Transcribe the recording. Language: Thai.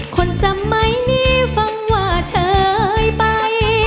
คนสมัยนี้ฟังว่าเธอไป